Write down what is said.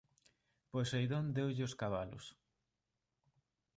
Poseidón deulle os cabalos.